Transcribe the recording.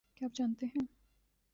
کیا آپ جانتے ہیں